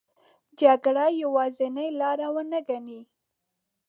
جګړه یوازینې لار ونه ګڼي.